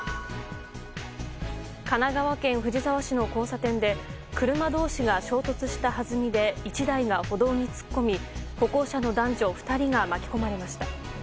神奈川県藤沢市の交差点で車同士が衝突したはずみで１台が歩道に突っ込み歩行者の男女２人が巻き込まれました。